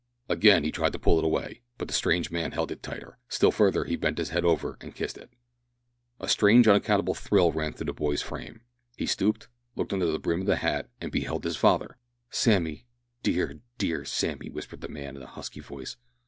Again he tried to pull it away, but the strange man held it tighter. Still further, he bent his head over it and kissed it. A strange unaccountable thrill ran through the boy's frame. He stooped, looked under the brim of the hat, and beheld his father! "Sammy dear, dear Sammy," whispered the man, in a husky voice.